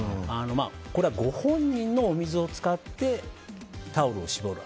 これはご本人のお水を使ってタオルを絞る。